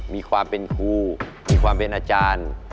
มีความเป็นครูมีความเป็นอาจารย์